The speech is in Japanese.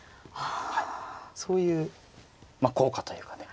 はいそういう効果というかね